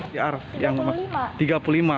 pcr yang tiga puluh lima